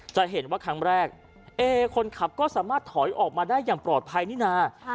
จะเห็นว่าครั้งแรกเอคนขับก็สามารถถอยออกมาได้อย่างปลอดภัยนี่นะ